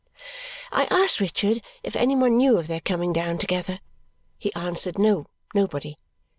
I asked Richard if any one knew of their coming down together. He answered, no, nobody.